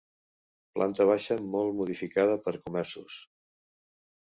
Planta baixa molt modificada per comerços.